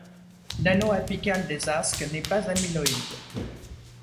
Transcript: L'anneau apical des asques n'est pas amyloïde.